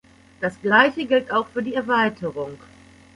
Das Gleiche gilt auch für die Erweiterung.